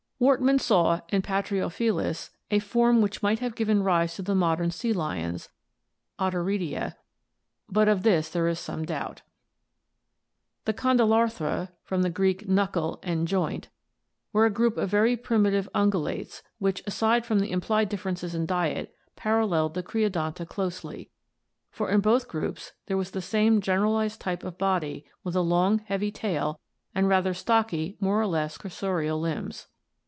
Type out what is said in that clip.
Wortman saw in Patriofelis a form which might have given rise to the modern sea lions (Otariidse), but of this there is some doubt. (See Fig. 176.) The Condylarthra (Gr. «oV8vXo9, knuckle, and ap0pov7 joint) were a group of very primitive ungulates which, aside from the implied differences in diet, paralleled the Creodonta closely, for in both groups there was the same generalized type of body with a long heavy tail and rather stocky, more or less cursorial limbs.